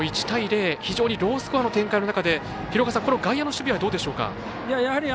１対０、非常にロースコアの展開の中でこの外野の守備はどうでしょうか。